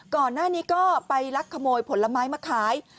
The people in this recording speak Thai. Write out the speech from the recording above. ก่อนหน้านี้ก็ไปลักขโมยผลไม้มาขาย